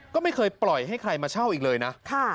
ก็ไม่เคยปล่อยให้ใครมาเช่าอีกเลยนะ